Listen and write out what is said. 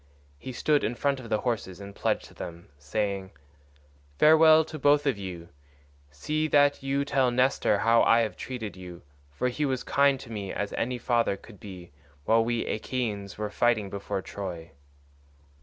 He stood in front of the horses and pledged them, saying, "Farewell to both of you; see that you tell Nestor how I have treated you, for he was as kind to me as any father could be while we Achaeans were fighting before Troy."